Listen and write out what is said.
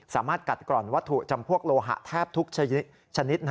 สามารถกัดกร่อนวัตถุจำพวกโลหะแทบทุกชนิด